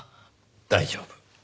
大丈夫。